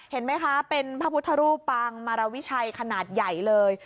เห็นไหมคะเป็นพระพุทธรูปปางมารวิชัยขนาดใหญ่เลย